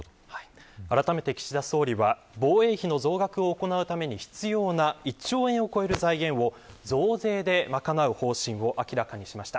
あらためて、岸田総理は防衛費の増額を行うために必要な１兆円を超える財源を増税で賄う方針を明らかにしました。